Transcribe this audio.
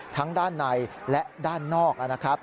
ทั้งด้านในและด้านนอกนะครับ